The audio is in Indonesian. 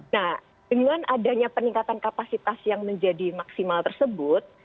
nah dengan adanya peningkatan kapasitas yang menjadi maksimal tersebut